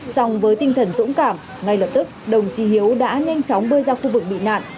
xong với tinh thần dũng cảm ngay lập tức đồng chí hiếu đã nhanh chóng bơi ra khu vực bị nạn